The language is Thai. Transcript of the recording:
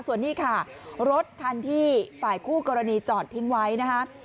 ส่วนนี้ค่ะรถคันที่ฝ่ายคู่กรณีจอดทิ้งไว้นะคะ